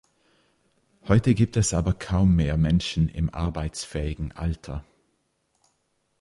Heute gibt es aber kaum mehr Menschen im arbeitsfähigen Alter.